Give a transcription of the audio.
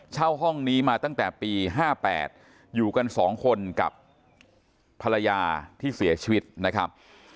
เช่าห้องนี้มาตั้งแต่ปี๕๘อยู่กัน๒คนกับภรรยาที่เสียชีวิตนะครับ